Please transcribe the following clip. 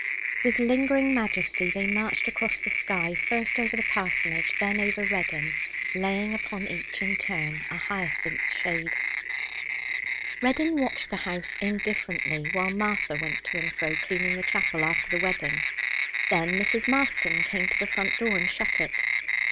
With lingering majesty they marched across the sky, first over the parsonage, then over Reddin, laying upon each in turn a hyacinth shadow. Reddin watched the house indifferently, while Martha went to and fro cleaning the chapel after the wedding. Then Mrs. Marston came to the front door and shut it.